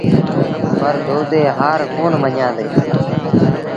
پر دودي هآر ڪونا مڃيآندي۔